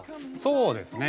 そうですね。